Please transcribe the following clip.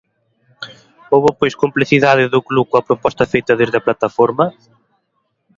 Houbo pois complicidade do club coa proposta feita desde a plataforma?